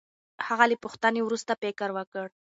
هغه له پوښتنې وروسته فکر وکړ.